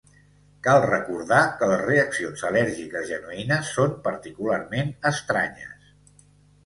Cal recordar que les reaccions al·lèrgiques genuïnes són particularment estranyes.